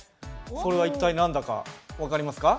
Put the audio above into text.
それは一体何だか分かりますか？